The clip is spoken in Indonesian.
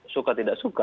suka tidak suka